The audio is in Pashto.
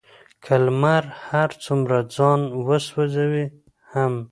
که لمر هر څومره ځان وسوزوي هم،